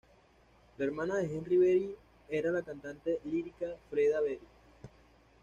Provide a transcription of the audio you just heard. La hermana de Henri Betti era la cantante lírica Freda Betti.